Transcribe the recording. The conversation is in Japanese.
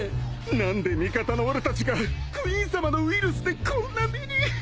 何で味方の俺たちがクイーンさまのウイルスでこんな目に。